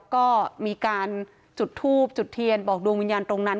ก็มีการจุดทูบจุดเทียนบอกดวงวิญญาณตรงนั้น